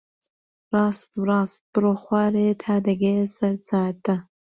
ڕاست و ڕاست بڕۆ خوارێ تا دەگەیە سەر جادە.